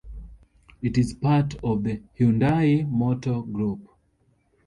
It is part of the Hyundai Motor Group.